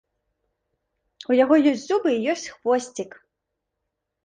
У яго ёсць зубы і ёсць хвосцік!